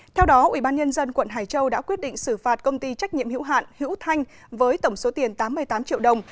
theo đó ubnd quận hải châu đã quyết định xử phạt công ty trách nhiệm hữu hạn hữu thanh với tổng số tiền tám mươi tám triệu đồng